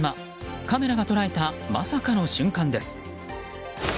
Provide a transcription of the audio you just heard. カメラが捉えたまさかの瞬間です。